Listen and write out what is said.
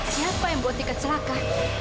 siapa yang buat tiket serakah